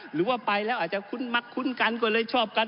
หรือว่าไปแล้วอาจจะคุ้นมักคุ้นกันก็เลยชอบกัน